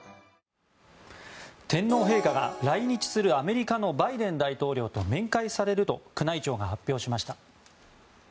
天皇陛下が、来日するアメリカのバイデン大統領と面会されると宮内庁が発表しました。